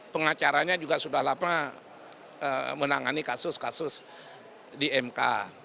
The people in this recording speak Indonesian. pengacaranya juga sudah lama menangani kasus kasus di mk